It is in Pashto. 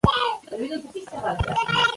زه پوهیږم چې پښتو زما مورنۍ ژبه ده.